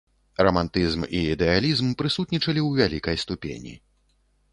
Рамантызм і ідэалізм прысутнічалі ў вялікай ступені.